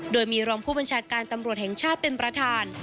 โดยมีรองผู้บัญชาการตำรวจแห่งชาติเป็นประธาน